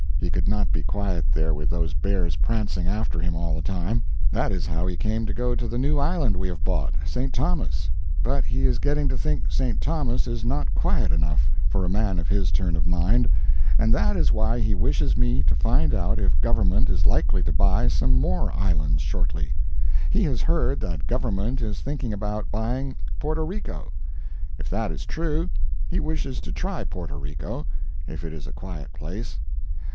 He could not be quiet there with those bears prancing after him all the time. That is how he came to go to the new island we have bought St. Thomas. But he is getting to think St. Thomas is not quiet enough for a man of his turn of mind, and that is why he wishes me to find out if government is likely to buy some more islands shortly. He has heard that government is thinking about buying Porto Rico. If that is true, he wishes to try Porto Rico, if it is a quiet place.